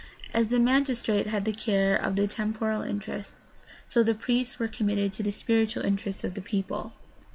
As the magistrate had the care of the temporal interests, so to the priests were committed the spiritual inter ests of the people.